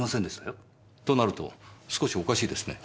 となると少しおかしいですね。